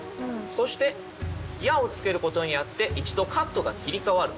そして「や」をつけることによって一度カットが切り替わる。